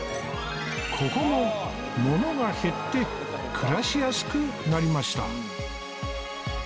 ここもものが減って暮らしやすくなりました